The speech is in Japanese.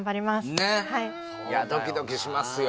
ねっいやドキドキしますよ